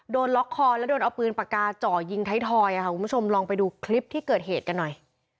โดนล็อกคอแล้วโดนเอาปืนปากกาจ่อยิงไทยทอยค่ะคุณผู้ชมลองไปดูคลิปที่เกิดเหตุกันหน่อย